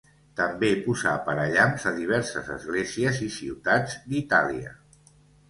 També posà parallamps a diverses esglésies i ciutats d'Itàlia.